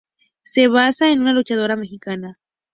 Se basa en una luchadora Mexicana.